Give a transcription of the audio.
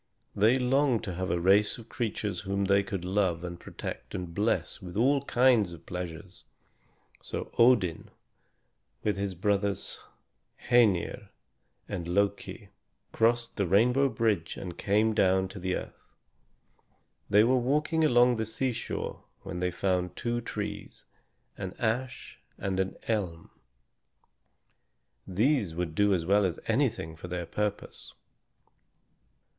They longed to have a race of creatures whom they could love and protect and bless with all kinds of pleasures. So Odin, with his brothers Hœnir and Loki, crossed the rainbow bridge and came down to the earth. They were walking along the seashore when they found two trees, an ash and an elm. These would do as well as anything for their purpose.